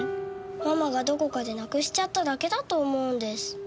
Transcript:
ママがどこかでなくしちゃっただけだと思うんです。